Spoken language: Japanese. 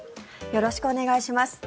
よろしくお願いします。